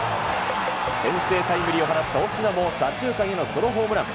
先制タイムリーを放ったオスナも、左中間へのソロホームラン。